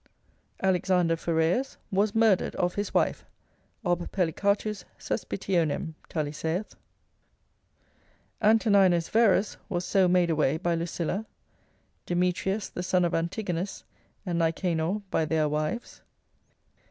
Alexander Phaereus was murdered of his wife, ob pellicatus suspitionem, Tully saith. Antoninus Verus was so made away by Lucilla; Demetrius the son of Antigonus, and Nicanor, by their wives.